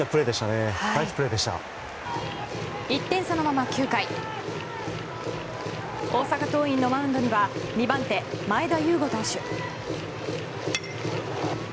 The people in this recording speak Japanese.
１点差のまま９回大阪桐蔭のマウンドには２番手、前田悠伍投手。